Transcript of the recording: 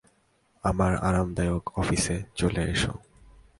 আমার আরামদায়ক অফিসে চলে এসো।